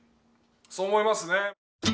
そう思いますね。